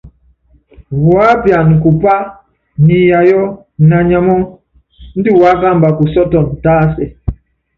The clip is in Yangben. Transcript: Wuápiana kupá niiyayɔ naanyamɔ́ índɛ wuákamba kusɔ́tɔn tásɛ.